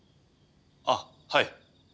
あっはい。